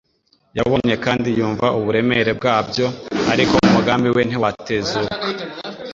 Yabonye kandi yumva uburemere bwabyo, ariko umugambi we ntiwatezuka.